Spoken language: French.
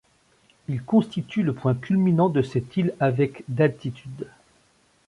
Il constitue le point culminant de cette île avec d'altitude.